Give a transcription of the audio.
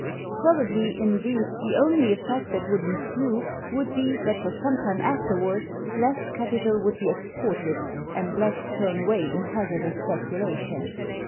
Probably, indeed, the only effect that would ensue would be that for some time afterward less capital would be exported, and less thrown away in hazardous speculation.